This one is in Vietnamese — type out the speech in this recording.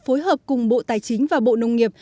phối hợp cùng bộ tài chính và bộ nông nghiệp